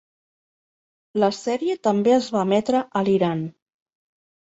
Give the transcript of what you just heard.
La sèrie també es va emetre a l'Iran.